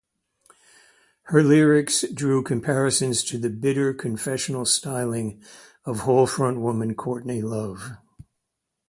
Her lyrics drew comparisons to the bitter, confessional styling of Hole frontwoman Courtney Love.